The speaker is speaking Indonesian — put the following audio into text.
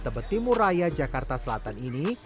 tebet timur raya jakarta selatan ini